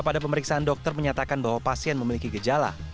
jika pada pemeriksaan dokter menyatakan bahwa pasien memiliki gejala baik ringan